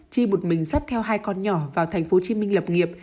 chi một mình sắt theo hai con nhỏ vào tp hcm lập nghiệp